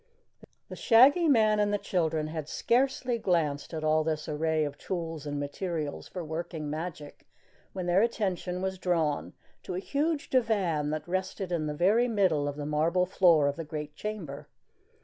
The Shaggy Man and the children had scarcely glanced at all this array of tools and materials for working magic, when their attention was drawn to a huge divan that rested in the very middle of the marble floor of the great chamber.